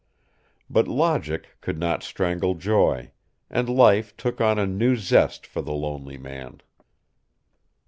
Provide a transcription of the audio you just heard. But logic could not strangle joy, and life took on a new zest for the lonely man.